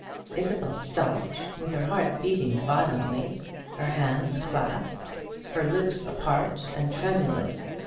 Isabel stopped, with her heart beating violently, her hands clasped, her lips apart and tremulous.